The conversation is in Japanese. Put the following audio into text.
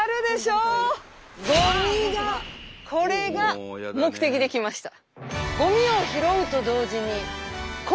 これが目的で来ました。